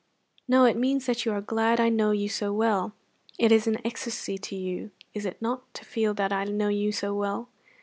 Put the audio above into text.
"No; it means that you are glad I know you so well. It is an ecstasy to you, is it not, to feel that I know you so well?"